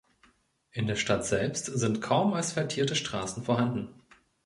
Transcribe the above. In der Stadt selbst sind kaum asphaltierte Straßen vorhanden.